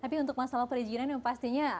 tapi untuk masalah perizinan yang pastinya